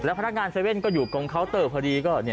แล้วพนักงานสเซเว่นก็อยู่ตรงเคาน์เตอร์พอดี